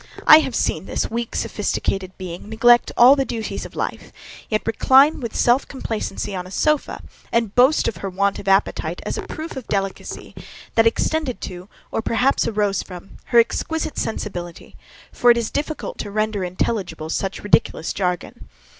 I have seen this weak sophisticated being neglect all the duties of life, yet recline with self complacency on a sofa, and boast of her want of appetite as a proof of delicacy that extended to, or, perhaps, arose from, her exquisite sensibility: for it is difficult to render intelligible such ridiculous jargon.